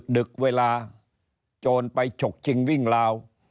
ดึกเวลาโจรไปฉกจริงวิ่งลาว